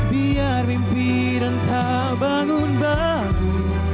biar mimpi yang tak bangun baru